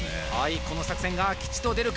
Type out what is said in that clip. この作戦が吉と出るか？